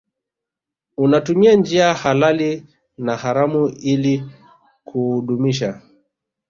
Unatumia njia halali na haramu ili kuudumisha